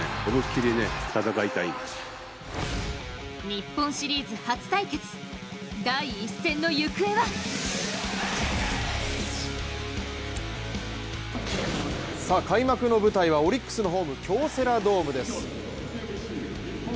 日本シリーズ初対決、第１戦の行方は開幕の舞台はオリックスのホーム京セラドームです。